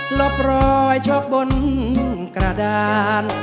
ลบรอยชกบนกระดาน